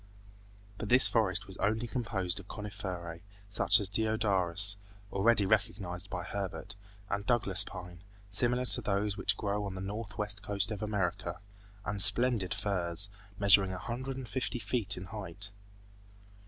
But this forest was only composed of coniferae, such as deodaras, already recognized by Herbert, and Douglas pine, similar to those which grow on the northwest coast of America, and splendid firs, measuring a hundred and fifty feet in height.